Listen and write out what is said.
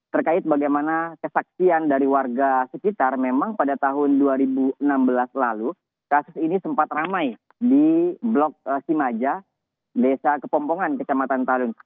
terkait bagaimana kesaksian dari warga sekitar memang pada tahun dua ribu enam belas lalu kasus ini sempat ramai di blok simaja desa kepompongan kecamatan tarung